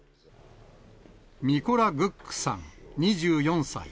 ミコラ・グックさん２４歳。